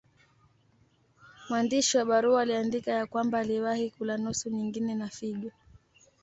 Mwandishi wa barua aliandika ya kwamba aliwahi kula nusu nyingine ya figo.